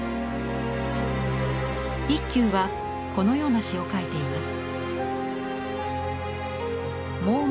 一休はこのような詩を書いています。